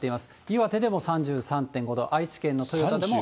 岩手でも３３．５度、愛知県の豊田でも。